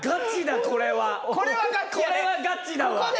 これはガチやね